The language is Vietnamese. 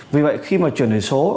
vì vậy khi mà chuyển đổi số